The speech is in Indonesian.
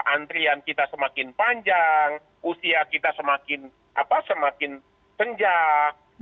antrian kita semakin panjang usia kita semakin senjah